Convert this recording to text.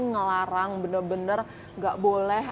ngelarang bener bener gak boleh